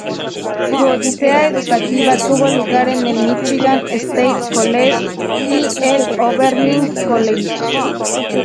Su odisea educativa tuvo lugar en el Michigan State College y el Oberlin College.